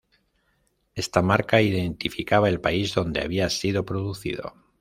Esta marca identificaba el país donde había sido producido.